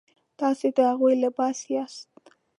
تاسو د هغوی لباس یاست.